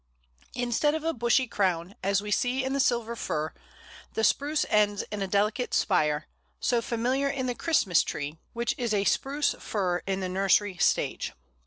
Instead of a bushy crown, such as we see in the Silver Fir, the Spruce ends in a delicate spire, so familiar in the Christmas tree, which is a Spruce Fir in the nursery stage.